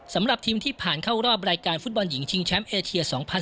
สำหรับทีมที่ผ่านเข้ารอบรายการฟุตบอลหญิงชิงแชมป์เอเชีย๒๐๑๖